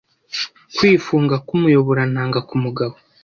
Kwifunga k’umuyoborantanga ku mugabo